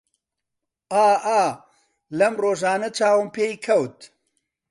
ئا ئا لەم ڕۆژانە چاوم پێی کەت